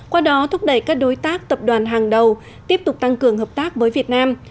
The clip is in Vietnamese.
qua đó thúc đẩy các đối tác tập đoàn hàng đầu tiếp tục tăng cường hợp tác với việt nam